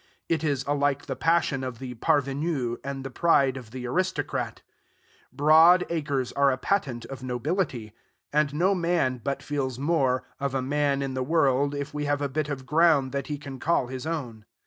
It is alike the passion of the parvenu and the pride of the aristocrat. Broad acres are a patent of nobility; and no man but feels more, of a man in the world if he have a bit of ground that he can call his own.